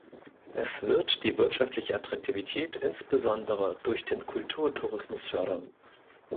Es wird die wirtschaftliche Attraktivität insbesondere durch den Kulturtourismus fördern.